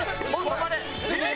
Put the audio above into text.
止まれ！